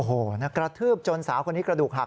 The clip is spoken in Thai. โอ้โหกระทืบจนสาวคนนี้กระดูกหัก